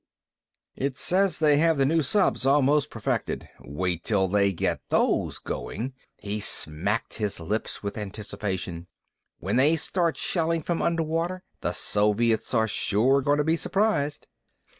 "It says they have the new subs almost perfected. Wait until they get those going." He smacked his lips with anticipation. "When they start shelling from underwater, the Soviets are sure going to be surprised."